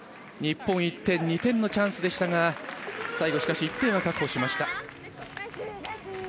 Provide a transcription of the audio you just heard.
日本１点、２点のチャンスでしたが最後、しかし１点は確保しました。